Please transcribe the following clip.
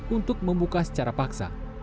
untuk membuka secara paksa